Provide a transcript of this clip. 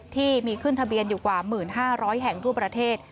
ที่มีขึ้นทะเบียนอยู่กว่า๑๕๐๐แห่งทั่วประเทศ